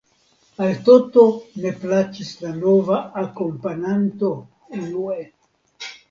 Al Toto ne plaĉis la nova akompananto, unue.